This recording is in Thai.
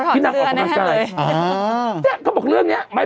แต่เค้าบอกเนี้ยไว้